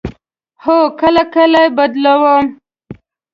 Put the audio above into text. هو، کله کله یی بدلوم